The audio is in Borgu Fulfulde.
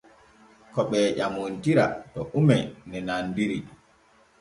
Ko ɓee ƴamontira to ume ne nandiri.